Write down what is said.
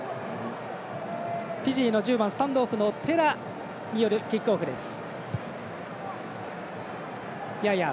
フィジーの１０番、スタンドオフテラによるキックオフです。